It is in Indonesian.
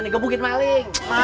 nih gebukin maling